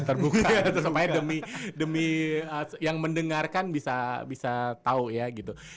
terbuka supaya demi demi yang mendengarkan bisa tau ya gitu